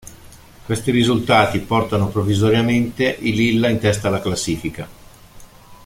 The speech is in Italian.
Questi risultati portano provvisoriamente i "Lilla" in testa alla classifica.